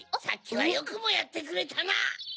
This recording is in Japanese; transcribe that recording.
さっきはよくもやってくれたな！